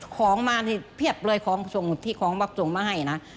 ของมานี่เพียบเลยที่ของพกส่งมาให้นะ